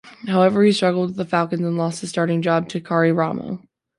However, he struggled with the Falcons and lost his starting job to Karri Ramo.